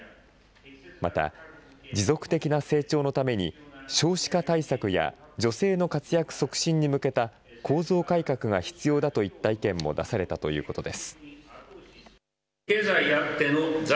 また、持続的な成長のために、少子化対策や、女性の活躍促進に向けた構造改革が必要だといった意見も出されたということです。